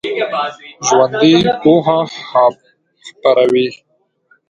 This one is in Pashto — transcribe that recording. ژوندي پوهه خپروي